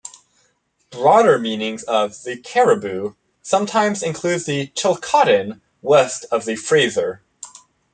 Broader meanings of "the Cariboo" sometimes include the Chilcotin, west of the Fraser.